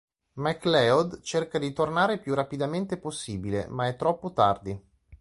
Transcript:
MacLeod cerca di tornare più rapidamente possibile, ma è troppo tardi.